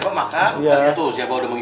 itu bukan tanon sih neng